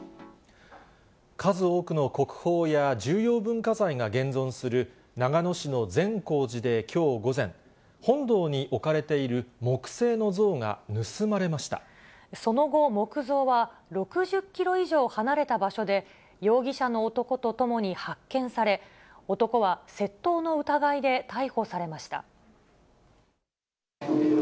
数多くの国宝や重要文化財が現存する長野市の善光寺で、きょう午前、本堂に置かれているその後、木像は６０キロ以上離れた場所で、容疑者の男とともに発見され、男は窃盗の疑いで逮捕されました。